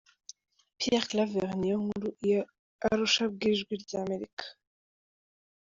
Pierre Claver Niyonkuru, i Arusha ku bw’Ijwi ry’Amerika: